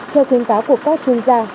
theo khuyến cáo của các chuyên gia